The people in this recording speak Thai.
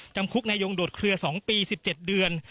จำคุกนายงโดดเคลือ๒ปี๑๗เดือน